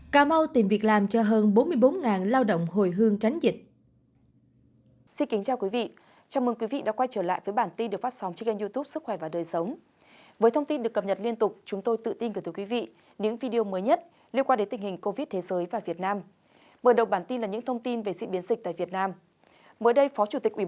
cà mau tìm việc làm cho hơn bốn mươi bốn lao động hồi hương tránh dịch